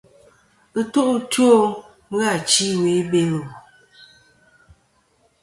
Ɨtu ' two ghɨ achi ɨwe i Belo.